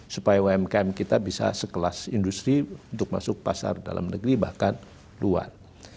supaya umkm kita bisa sekelas industri untuk masuk pasar dalam negeri bahkan luar